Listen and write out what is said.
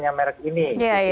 yang merk ini